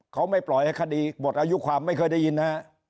เขาไม่ปล่อยให้คดีหมดอายุความไม่เคยได้ยินนะฮะ